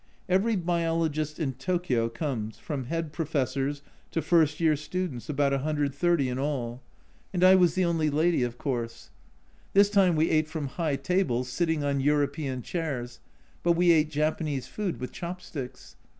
Every biologist in Tokio comes, from head pro fessors to first year students, about 130 in all, and I A Journal from Japan 93 was the only lady, of course. This time we ate from high tables, sitting on European chairs, but we ate Japanese food with chop sticks